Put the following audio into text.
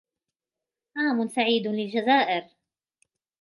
عام سعيد للجزائر.